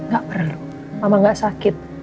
gak perlu mama nggak sakit